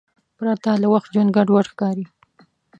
پرته له وخت ژوند ګډوډ ښکاري.